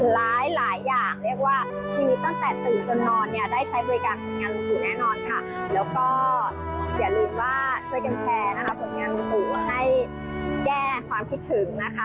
แล้วก็อย่าลืมว่าช่วยกันแชร์ฝนงานลุงตู้ให้แก้ความคิดถึงนะคะ